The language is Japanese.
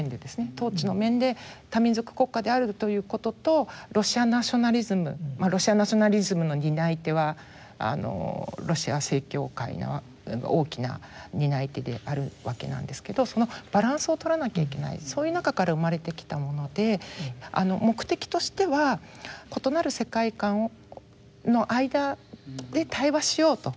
統治の面で多民族国家であるということとロシアナショナリズムロシアナショナリズムの担い手はロシア正教会が大きな担い手であるわけなんですけどそのバランスをとらなきゃいけないそういう中から生まれてきたもので目的としては異なる世界観の間で対話しようというものなんですね。